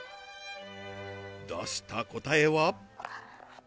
出した答えは？